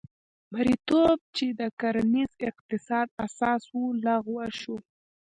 مریتوب چې د کرنیز اقتصاد اساس و لغوه شو.